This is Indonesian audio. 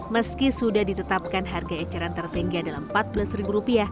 meski sudah ditetapkan harga eceran tertinggi adalah rp empat belas